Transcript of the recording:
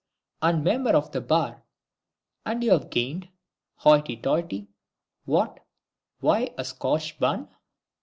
and Member of the Bar! And you have gained hoity toity! What? Why, a Scotch Bun!"